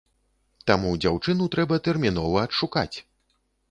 Таму дзяўчыну трэба тэрмінова адшукаць!